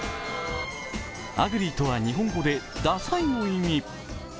アグリーとは日本語でダサいの意味。